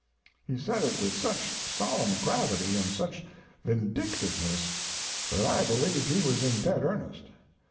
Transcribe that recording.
"He said it with such solemn gravity, and such vindictiveness, that I believed he was in dead earnest.